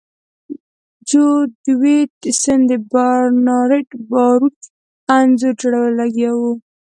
جو ډیویډ سن د برنارډ باروچ انځور جوړولو لګیا و